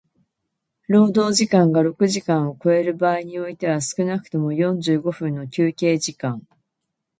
労働時間が六時間を超える場合においては少くとも四十五分の休憩時間